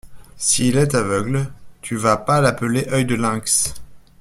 S’il est aveugle, tu vas pas l’appeler Œil de Lynx?